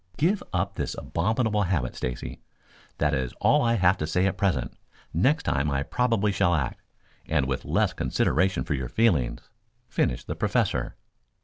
Give up this abominable habit, Stacy. That is all I have to say at present. Next time I probably shall act, and with less consideration for your feelings," finished the Professor.